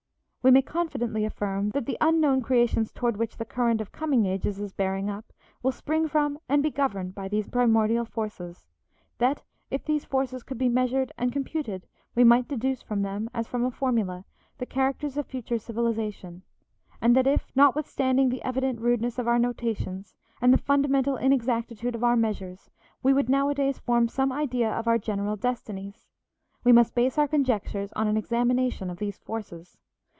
We may confidently affirm that the unknown creations toward which the current of coming ages is bearing up will spring from and be governed by these primordial forces; that, if these forces could be measured and computed we might deduce from them, as from a formula, the characters of future civilization; and that if, notwithstanding the evident rudeness of our notations, and the fundamental inexactitude of our measures, we would nowadays form some idea of our general destinies, we must base our conjectures on an examination of these forces.